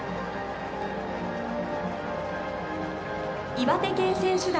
岩手県選手団。